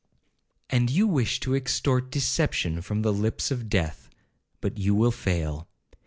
'And you wish to extort deception from the lips of death—but you will fail.